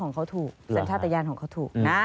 แต่เขาบอกสัญญาณทะเย้นนี้เขาถูก